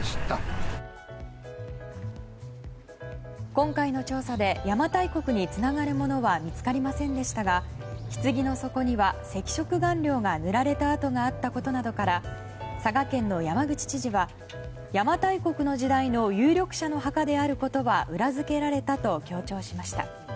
今回の調査で邪馬台国につながるものは見つかりませんでしたがひつぎの底には、赤色顔料が塗られた跡があったことなどから佐賀県の山口知事は邪馬台国の時代の有力者の墓であることは裏付けられたと強調しました。